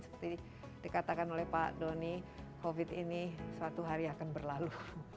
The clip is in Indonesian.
seperti dikatakan oleh pak doni covid ini suatu hari akan berlalu